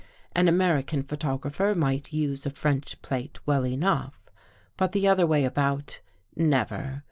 An American photographer might use a French plate well enough, but the other way about — never.